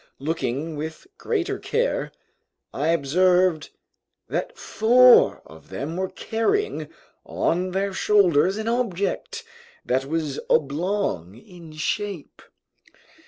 Looking with greater care, I observed that four of them were carrying on their shoulders an object that was oblong in shape.